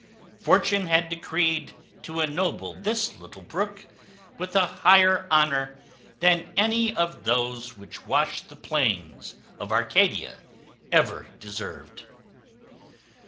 Fortune had decreed to ennoble this little brook with a higher honour than any of those which wash the plains of Arcadia ever deserved.